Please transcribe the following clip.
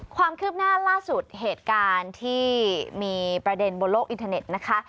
ความคืบหน้าล่าสุดเหตุการณ์ที่มีประเด็นบนโลกอินเทอร์เน็ตนะคะ